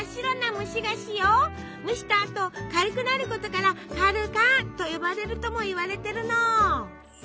蒸したあと軽くなることから「かるかん」と呼ばれるともいわれてるの。